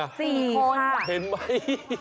ให้เห็นมั้ย